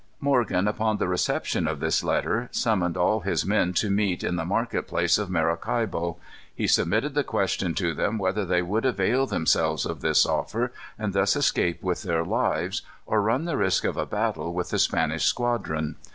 Morgan, upon the reception of this letter, summoned all his men to meet in the market place of Maracaibo. He submitted the question to them whether they would avail themselves of this offer, and thus escape with their lives, or run the risk of a battle with the Spanish squadron.